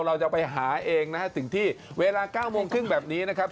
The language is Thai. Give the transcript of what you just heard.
เราจะไปหาเองนะฮะถึงที่เวลา๙โมงครึ่งแบบนี้นะครับ